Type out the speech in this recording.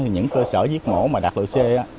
những cơ sở giết mổ mà đạt lợi c